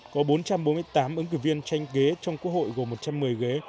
có bốn trăm bốn mươi tám ứng cử viên tranh ghế trong quốc hội gồm một trăm một mươi ghế